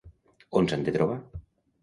On s'han de trobar?